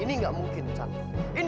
ini gak mungkin chandra